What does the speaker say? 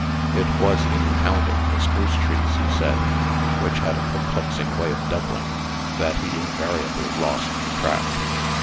It was in counting the spruce trees, he said, which had a perplexing way of doubling, that he invariably lost the track.